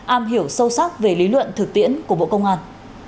am hiểu sâu sắc về lý luận thực tiễn của bộ công an